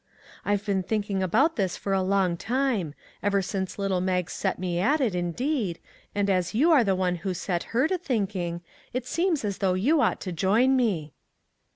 I've been thinking about this for a long time ever since little Mag set me at it, indeed, and as you are the one who set her to thinking, it seems as though you ought to join me."